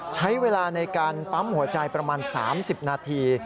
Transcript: ใช้เวลาในการปั๊มหัวใจประมาณ๓๐นาที